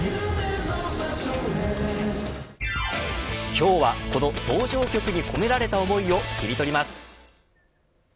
今日は、この登場曲に込められた思いをキリトリます。